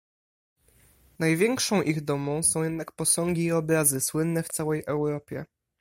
"Największą ich dumą są jednak posągi i obrazy, słynne w całej Europie."